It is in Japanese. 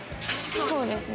そうですね